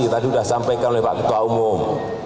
tadi sudah sampaikan oleh pak ketua umum